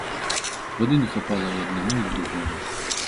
Вады не хапала і аднаму, і другому.